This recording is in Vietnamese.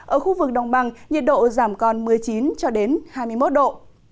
ở khu vực đồng bằng nhiệt độ giảm còn một mươi chín cho đến hai mươi một độ